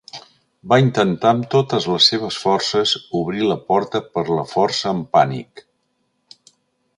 Va intentar amb totes les seves forces obrir la porta per la força en pànic.